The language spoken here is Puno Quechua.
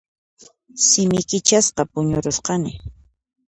Simi kichasqa puñurusqani.